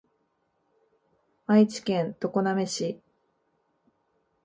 愛知県常滑市